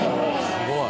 すごい！